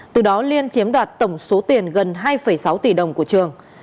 từ đó liên chiếm đoạt tổng số tiền gần hai sáu tỷ đồng của trường